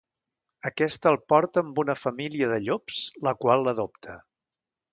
Aquesta el porta amb una família de llops, la qual l'adopta.